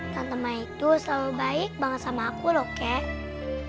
customi itu selalu baik banget sama aku loh kek